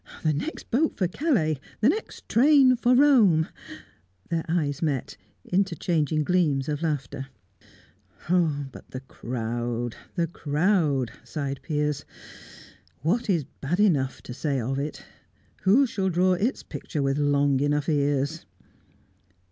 "The next boat for Calais! The next train for Rome!" Their eyes met, interchanging gleams of laughter. "Oh, but the crowd, the crowd!" sighed Piers. "What is bad enough to say of it? who shall draw its picture with long enough ears?"